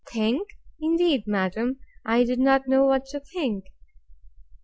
Think! Indeed, madam, I did not know what to think!